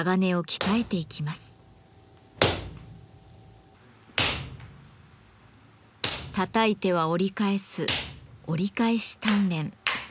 たたいては折り返す折り返し鍛錬。